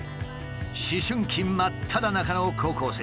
思春期真っただ中の高校生たち。